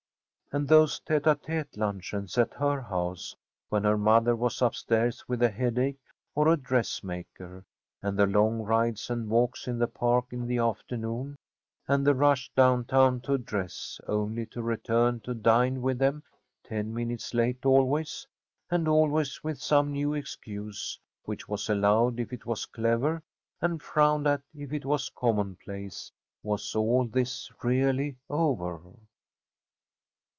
And those tete a tete luncheons at her house when her mother was upstairs with a headache or a dressmaker, and the long rides and walks in the Park in the afternoon, and the rush down town to dress, only to return to dine with them, ten minutes late always, and always with some new excuse, which was allowed if it was clever, and frowned at if it was common place was all this really over?